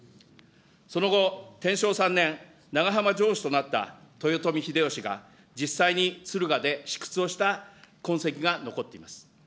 その後、てんしょう３年、ながはま城主となった豊臣秀吉が、実際つるがで試掘をした痕跡が残っています。